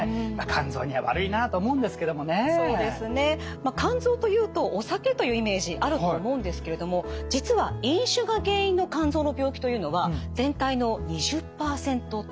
まあ肝臓というとお酒というイメージあると思うんですけれども実は飲酒が原因の肝臓の病気というのは全体の２０％程度。